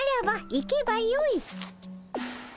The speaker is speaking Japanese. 行けばよい？